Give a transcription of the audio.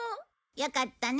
よかったね。